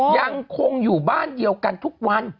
ยังคงอยู่บ้านเดียวกันทุกวัน